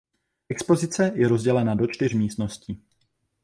Expozice je rozdělena do čtyř místností.